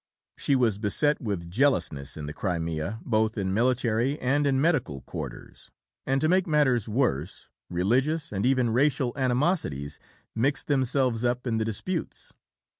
She was beset with jealousies in the Crimea, both in military and in medical quarters; and to make matters worse, religious, and even racial animosities mixed themselves up in the disputes.